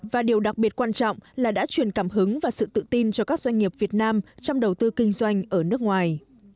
và điều đặc biệt quan trọng là đã truyền cảm hứng và sự tự tin cho các doanh nghiệp việt nam trong đầu tư kinh doanh ở nước ngoài